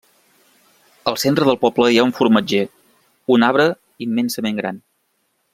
Al centre del poble hi ha un formatger, un arbre immensament gran.